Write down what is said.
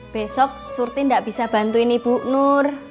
besok surti tidak bisa bantuin ibu nur